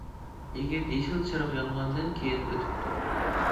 يىگىت يېشىل چىراغ يانغاندىن كېيىن ئۆتۈپتۇ.